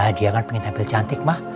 dia kan pengen tampil cantik mah